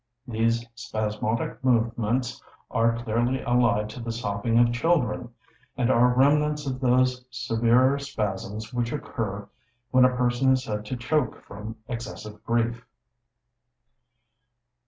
These spasmodic movements are clearly allied to the sobbing of children, and are remnants of those severer spasms which occur when a person is said to choke from excessive grief.